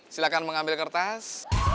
silakan mengambil kertas